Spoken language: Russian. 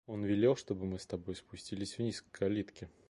Он велел, чтобы мы с тобой спустились вниз, к калитке.